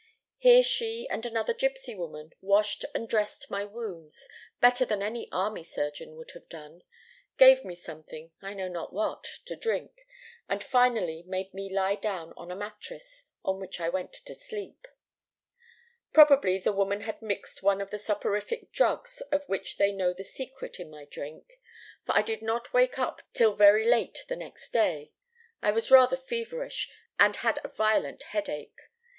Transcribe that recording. Here she and another gipsy woman washed and dressed my wounds, better than any army surgeon could have done, gave me something, I know not what, to drink, and finally made me lie down on a mattress, on which I went to sleep. * A bulbous root, out of which rather a pleasant beverage is manufactured. "Probably the woman had mixed one of the soporific drugs of which they know the secret in my drink, for I did not wake up till very late the next day. I was rather feverish, and had a violent headache.